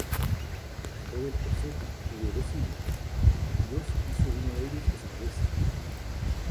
Jacob el profeta tuvo doce hijos, y Dios hizo uno de ellos desaparecen.